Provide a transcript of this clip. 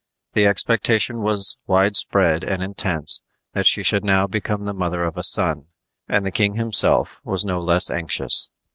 The expectation was wide spread and intense that she should now become the mother of a son; and the king himself was no less anxious.